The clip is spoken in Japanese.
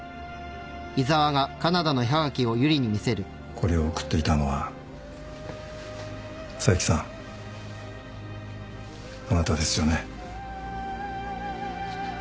これを送っていたのは佐伯さんあなたですよね？